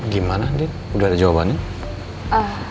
gimana nih udah ada jawabannya